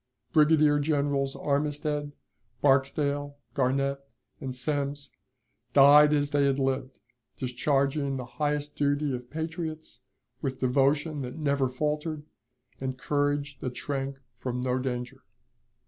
... Brigadier Generals Armistead, Barksdale, Garnet, and Semmes, died as they had lived, discharging the highest duty of patriots with devotion that never faltered, and courage that shrank from no danger."